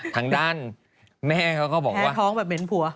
ทางด้านแม่เขาก็บอกว่าท้องแบบเหม็นผัว